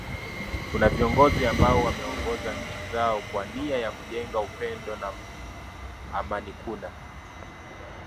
Kuna viongozi ambao wameongoza nchi zao kwa nia ya kujenga upendo na amanikuna